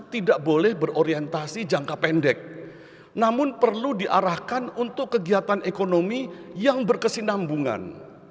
tidak boleh berorientasi jangka pendek namun perlu diarahkan untuk kegiatan ekonomi yang berkesinambungan